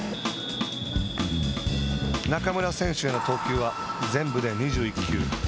中村選手への投球は全部で２１球。